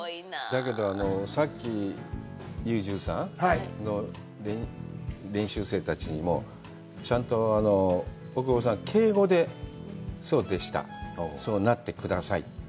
だけど、さっきＵ−１３？の練習生たちにも、ちゃんと大久保さん、敬語で“そうでした”、“そうなってください”と。